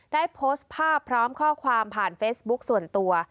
ได้โพสต์ภาพพร้อมข้อความผ่านเฟซบุ๊คส่วนตัว